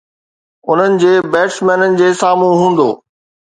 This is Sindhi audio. انهن جي بيٽسمينن جي سامهون هوندو